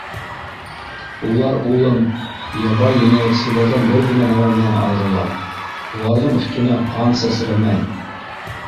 Улар, улым, ябай енәйәтселәрҙән бер генә нәмә менән айырыла: уларҙың өҫтөнә... ҡан сәсрәмәй.